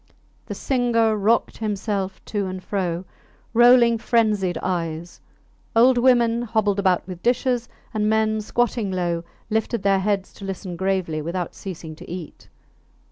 The singer rocked himself to and fro, rolling frenzied eyes; old women hobbled about with dishes, and men, squatting low, lifted their heads to listen gravely without ceasing to eat.